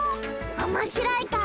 おもしろいか？